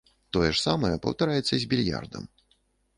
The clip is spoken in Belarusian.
Тое ж самае паўтараецца з більярдам.